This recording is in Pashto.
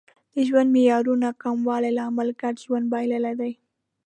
د ژوند معیارونو کموالی لامل ګډ ژوند بللی دی